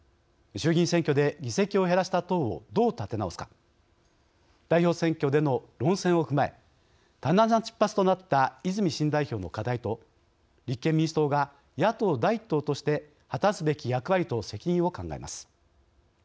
衆議院選挙で議席を減らした党をどう立て直すか代表選挙での論戦を踏まえ多難な出発となった泉新代表の課題と立憲民主党が、野党第１党として果たすべき役割と責任を考えます。